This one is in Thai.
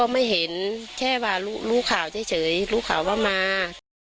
มาแค่วารู้ข่าวเฉยลูกข่าวว่ามา